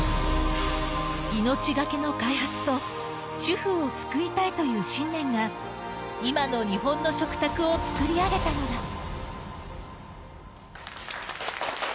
命がけの開発と主婦を救いたいという信念が、今の日本の食卓を作り上げたのだ。